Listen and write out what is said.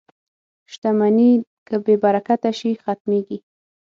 • شتمني که بې برکته شي، ختمېږي.